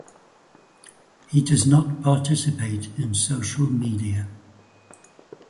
He does not participate in social media.